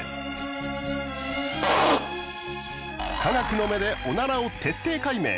科学の目でオナラを徹底解明。